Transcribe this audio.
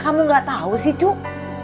kamu gak tahu sih cuk